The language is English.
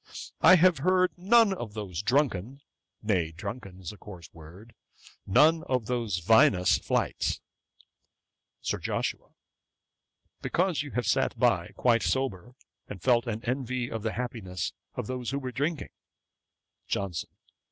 I have heard none of those drunken, nay, drunken is a coarse word, none of those vinous flights.' SIR JOSHUA. 'Because you have sat by, quite sober, and felt an envy of the happiness of those who were drinking.' JOHNSON.